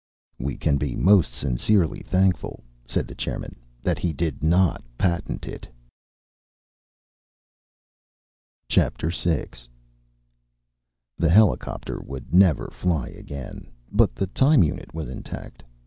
"We can be most sincerely thankful," said the chairman, "that he did not patent it." VI The helicopter would never fly again, but the time unit was intact.